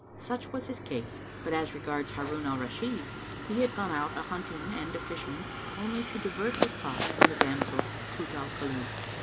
Such was his case; but as regards Harun al Rashid, he had gone out a hunting and a fishing only to divert his thoughts from the damsel, Kut al Kulub.